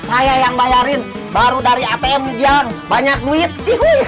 saya yang bayarin baru dari atm ujang banyak duit cik wuih